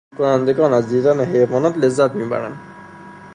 بازدیدکنندگان از دیدن حیوانات لذت میبرند